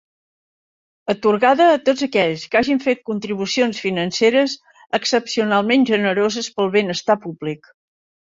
Atorgada a tots aquells que hagin fet contribucions financeres excepcionalment generoses pel benestar públic.